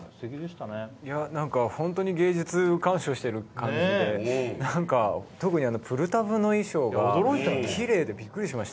本当に芸術鑑賞してる感じで、特にプルタブの衣装がきれいでびっくりしました。